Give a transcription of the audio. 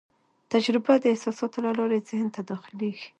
تجربه د احساساتو له لارې ذهن ته داخلېږي.